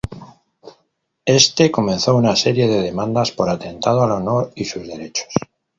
Éste comenzó una serie de demandas por atentado al honor y sus derechos.